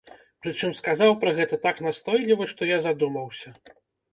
Прычым сказаў пра гэта так настойліва, што я задумаўся.